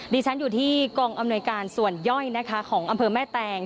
ดิฉันอยู่ที่กองอำนวยการส่วนย่อยนะคะของอำเภอแม่แตง